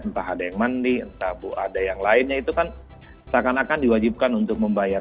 entah ada yang mandi entah ada yang lainnya itu kan seakan akan diwajibkan untuk membayar